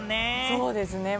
そうですね。